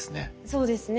そうですね。